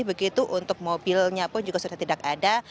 begitu untuk mobilnya pun juga sudah tidak ada